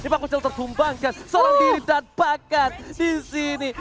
pang kucil tertumbangkan seorang diri dan bakat disini